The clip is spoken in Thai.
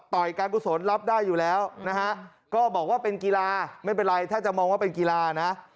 ต่อยการกุศลรับได้อยู่แล้วนะฮะก็บอกว่าเป็นกีฬาไม่เป็นไรถ้าจะมองว่าเป็นกีฬานะ